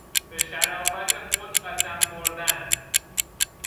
به شرافت خود قسم خوردن